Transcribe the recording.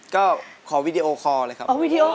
ก็ขอวีดีโอคอร์เลยครับ